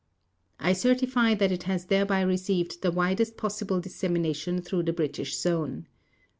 I certify that it has thereby received the widest possible dissemination throughout the British Zone.